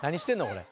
これ。